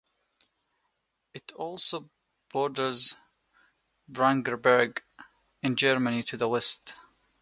It also borders Brandenburg in Germany to the west.